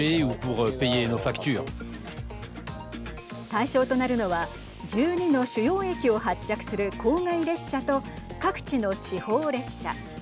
対象となるのは１２の主要駅を発着する郊外列車と各地の地方列車。